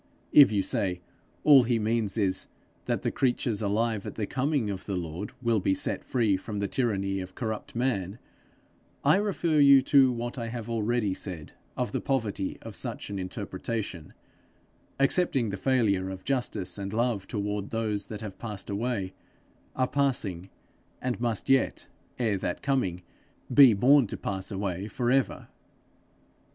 If you say all he means is, that the creatures alive at the coming of the Lord will be set free from the tyranny of corrupt man, I refer you to what I have already said of the poverty of such an interpretation, accepting the failure of justice and love toward those that have passed away, are passing, and must yet, ere that coming, be born to pass away for ever.